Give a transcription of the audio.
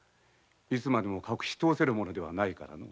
いつまでも隠しとおせるものではないからの。